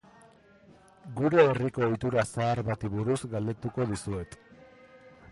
Gure herriko ohitura zahar bati buruz galdetuko dizuet.